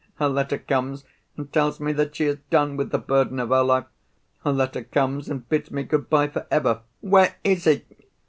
Her letter comes and tells me that she has done with the burden of her life. Her letter comes, and bids me good bye for ever. Where is he?"